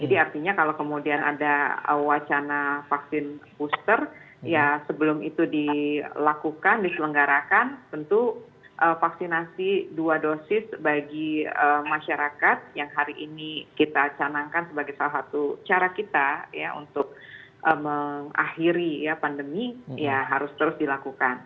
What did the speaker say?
sebenarnya kalau kemudian ada wacana vaksin booster ya sebelum itu dilakukan diselenggarakan tentu vaksinasi dua dosis bagi masyarakat yang hari ini kita canangkan sebagai salah satu cara kita ya untuk mengakhiri ya pandemi ya harus terus dilakukan